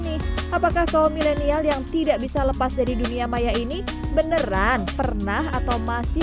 nih apakah kaum milenial yang tidak bisa lepas dari dunia maya ini beneran pernah atau masih